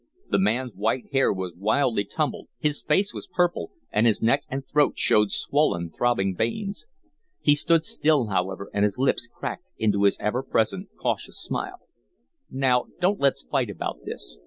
The man's white hair was wildly tumbled, his face was purple, and his neck and throat showed swollen, throbbing veins. He stood still, however, and his lips cracked into his ever present, cautious smile. "Now, don't let's fight about this.